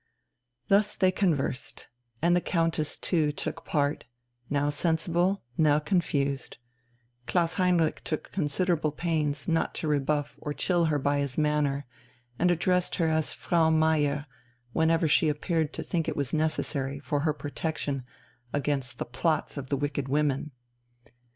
Thus they conversed, and the Countess too took part, now sensible, now confused; Klaus Heinrich took considerable pains not to rebuff or chill her by his manner, and addressed her as "Frau Meier" whenever she appeared to think it necessary for her protection against the plots of the wicked women.